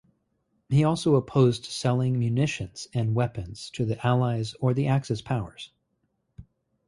He also opposed selling munitions and weapons to the Allies or the Axis powers.